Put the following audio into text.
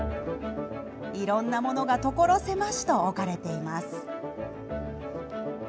いろんなものが所狭しと置かれています。